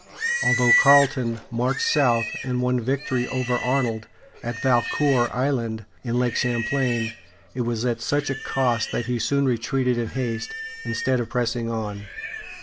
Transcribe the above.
Although Carleton marched south and won a victory over Arnold at Valcour (val coor´) Island, in Lake Champlain, it was at such a cost that he soon retreated in haste, instead of pressing on.